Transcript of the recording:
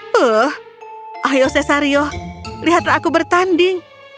puhh ayo cesario lihat aku bertanding